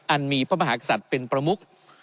อันมีพระมหากษัตริย์เป็นประมุก